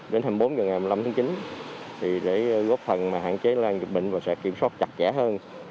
đến hai mươi bốn h ngày một mươi năm tháng chín để góp phần hạn chế lan dịch bệnh và sẽ kiểm soát chặt chẽ hơn